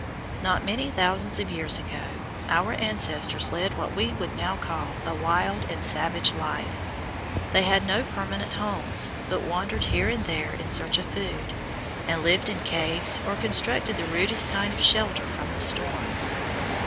Not many thousands of years ago our ancestors led what we would now call a wild and savage life. They had no permanent homes, but wandered here and there in search of food, and lived in caves or constructed the rudest kind of shelter from the storms.